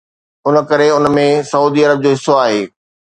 ان ڪري ان ۾ سعودي عرب جو حصو آهي.